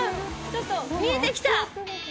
ちょっと見えてきた。